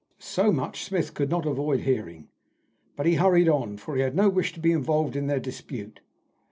So much Smith could not avoid hearing, but he hurried on, for he had no wish to be involved in their dispute.